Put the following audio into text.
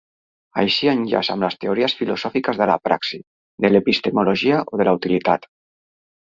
Així enllaça amb les teories filosòfiques de la praxi, de l'epistemologia o de la utilitat.